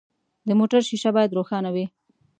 د موټر شیشه باید روښانه وي.